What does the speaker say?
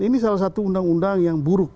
ini salah satu undang undang yang buruk